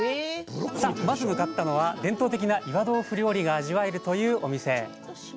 さあ、まず向かったのは伝統的な岩豆腐料理が味わえるというお店。